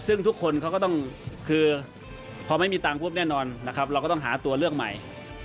ซึ่งทุกคนเขาก็ต้องคือพอไม่มีตังค์ปุ๊บแน่นอนนะครับเราก็ต้องหาตัวเลือกใหม่